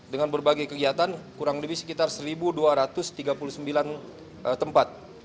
dengan berbagai kegiatan kurang lebih sekitar satu dua ratus tiga puluh sembilan tempat